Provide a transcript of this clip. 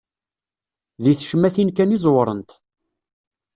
Di tecmatin kan i ẓewrent.